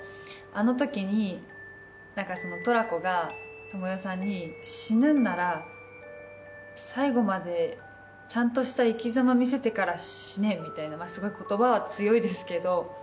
あの時にトラコが智代さんに「死ぬんなら最後までちゃんとした生きざま見せてから死ね」みたいなすごい言葉は強いですけど。